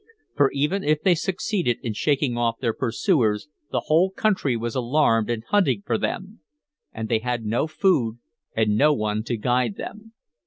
For even if they succeeded in shaking off their pursuers the whole country was alarmed and hunting for them. And they had no food and no one to guide them.